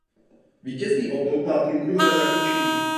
Vítězný oblouk má půlkruhové zakončení.